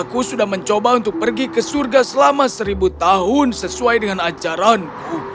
aku sudah mencoba untuk pergi ke surga selama seribu tahun sesuai dengan ajaranku